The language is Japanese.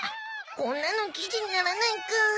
こんなの記事にならないか。